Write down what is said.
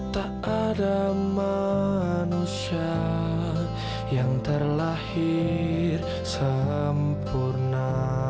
tak ada manusia yang terlahir sempurna